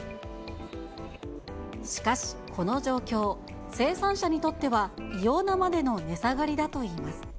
しかし、この状況、生産者にとっては異様なまでの値下がりだといいます。